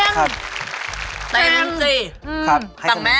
เต็มจริงต่างแม่ล่ะถ้าจะ๑ก็ไม่ได้แล้วนะ